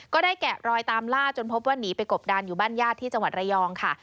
แกะรอยตามล่าจนพบว่าหนีไปกบดานอยู่บ้านญาติที่จังหวัดระยองค่ะ